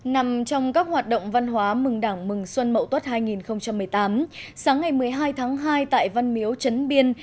nằm trong các hoạt động văn hóa mừng đảng mừng xuân mậu tuất hai nghìn một mươi tám sáng ngày một mươi hai tháng hai tại văn miếu trấn biên